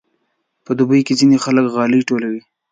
په دوبي کې ځینې خلک غالۍ ټولوي.